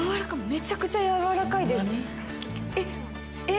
めちゃくちゃやわらかいです。え！